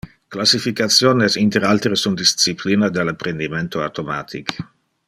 Classification es i. a. un disciplina del apprendimento automatic.